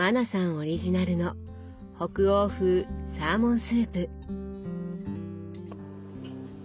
オリジナルの北欧風サーモンスープ。